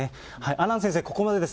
阿南先生、ここまでです。